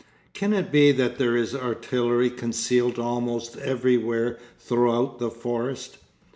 Can it be that there is artillery concealed almost everywhere throughout the forest?